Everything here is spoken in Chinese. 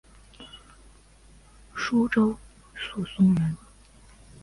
舒州宿松人。